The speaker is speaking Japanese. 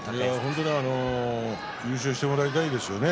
本当に優勝してもらいたいですね。